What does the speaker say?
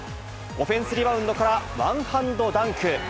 オフェンスリバウンドからワンハンドダンク。